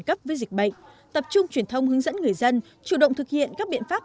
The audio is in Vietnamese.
cấp với dịch bệnh tập trung truyền thông hướng dẫn người dân chủ động thực hiện các biện pháp